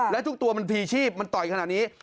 และทุกตัวมันพีชีพมันต่อยขนาดนี้